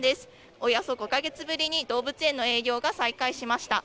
およそ５か月ぶりに動物園の営業が再開しました。